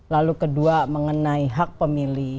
lalu kedua mengenai hak pemilih